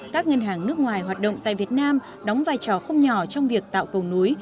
các ngân hàng nước ngoài hoạt động tại việt nam đóng vai trò không nhỏ trong việc tạo cầu nối